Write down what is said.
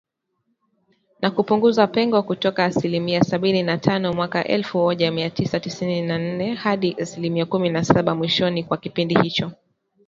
Na kupunguza pengo kutoka asilimia sabini na tano mwaka elfu oja mia tisa tisini na nne, hadi asilimia kumi na saba mwishoni mwa kipindi hicho.